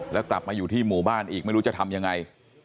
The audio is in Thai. แล้วกลับมาอยู่ที่หมู่บ้านอีกไม่รู้จะทำยังไง